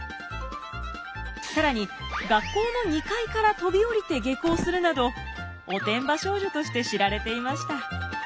更に学校の２階から飛び降りて下校するなどおてんば少女として知られていました。